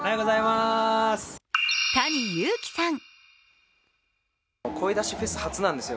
ＴａｎｉＹｕｕｋｉさん。